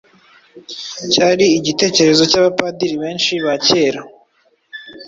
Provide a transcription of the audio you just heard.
cyari igitekerezo cya ba Padiri benshi ba kera.